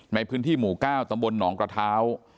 ในพื้นที่หมู่ก้าวตำรวจหนองกระท้าว